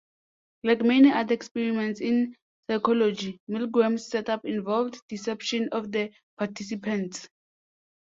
Like many other experiments in psychology, Milgram's setup involved deception of the participants.